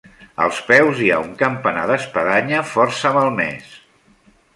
Als peus hi ha un campanar d'espadanya força malmés.